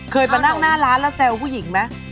เคยมานั่งหน้าร้านแล้วแซวผู้หญิงไหม